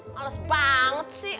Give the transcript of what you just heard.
males banget sih